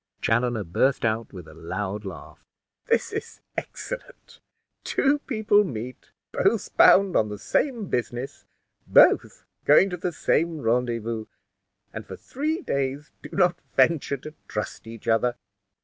Chaloner burst out with a loud laugh. "This is excellent! Two people meet, both bound on the same business, both going to the same rendezvous, and for three days do not venture to trust each other."